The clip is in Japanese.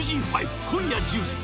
今夜１０時。